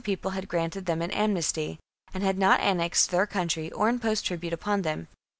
People had granted them an amnesty, and had not annexed their country or imposed tribute upon them.